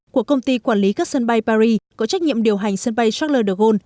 của công ty quản lý các sân bay paris có trách nhiệm điều hành sân bay charles de gaulle